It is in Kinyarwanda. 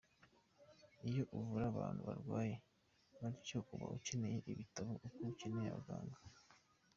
Iyo uvura abantu barwaye batyo uba ukeneye ibitaro, uba ukeneye abaganga.